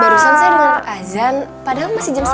barusan saya dengar hasan padahal masih jam enam tiga puluh sore ya